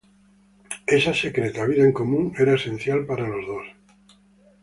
Esa secreta vida en común es esencial para los dos.